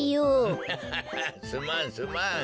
ハハハハすまんすまん。